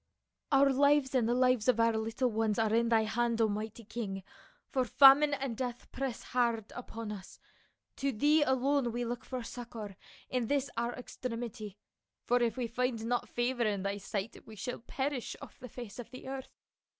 " Our lives and the lives of our little ones are in thy hand, O mighty king, for famine and death press hard upon us. To thee alone we look for succor in this our extremity, for if we find not favor in thy sight we shall perish off the face of the earth.